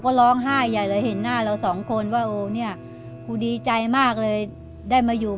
ครูลก็เงียบไปเลย